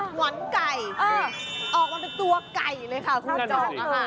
หวานไก่ออกมาเป็นตัวไก่เลยค่ะเขาจอดนะคะ